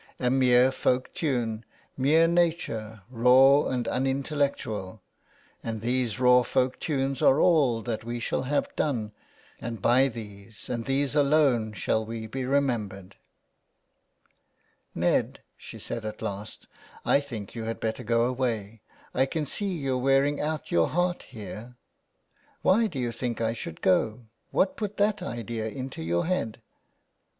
A mere folk tune, mere nature, raw and unintellectual ; and these raw folk tunes are all that we shall have done : and by these, and these alone, shall we be remembered." " Ned," she said at last, '' I think you had better go away. I can see you're wearing out your heart here." '' Why do you think I should go ? What put that idea into your head